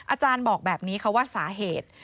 อาจารย์บอกแบบนี้ค่ะว่าสาเหตุ